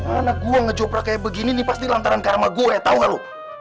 anak gue ngejoprak kayak begini pasti lantaran karma gue tau gak lu